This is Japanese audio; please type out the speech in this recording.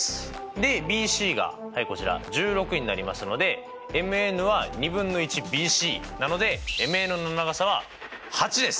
でＢＣがはいこちら１６になりますのでＭＮはＢＣなのでＭＮの長さは８です。